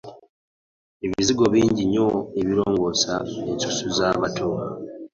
Ebizigo bingi nnyo ebirongosa ensusu z'abantu.